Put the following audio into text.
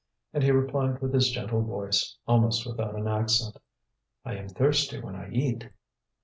And he replied with his gentle voice, almost without an accent: "I am thirsty when I eat."